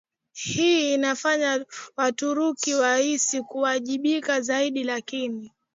hii inafanya Waturuki wahisi kuwajibika zaidi Lakini